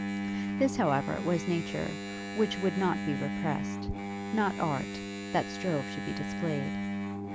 This, however, was nature, which would not be repressed; not art, that strove to be displayed.